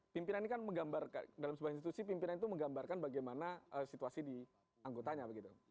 pimpinan ini kan menggambarkan dalam sebuah institusi pimpinan itu menggambarkan bagaimana situasi di anggotanya begitu